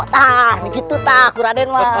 tahan gitu takut raden